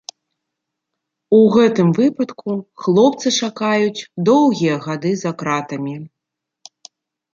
У гэтым выпадку хлопца чакаюць доўгія гады за кратамі.